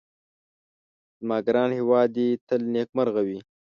زما ګران هيواد دي تل نيکمرغه وي